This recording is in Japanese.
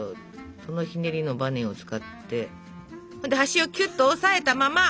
そのひねりのバネを使ってそれで端をきゅっと押さえたまま！